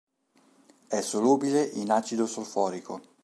È solubile in acido solforico.